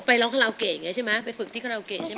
ไปร้องคาราวเกะอย่างนี้ใช่ไหมไปฝึกที่คาราโอเกะใช่ไหม